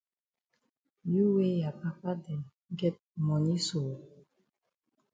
You wey ya papa dem get moni so!